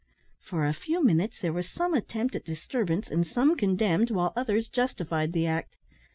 For a few minutes there was some attempt at disturbance, and some condemned, while others justified the act.